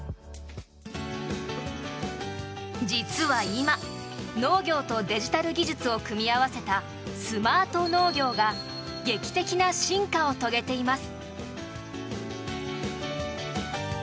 実は今、農業とデジタル技術を組み合わせたスマート農業が劇的な進化を遂げています。